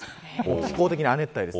気候的には亜熱帯です。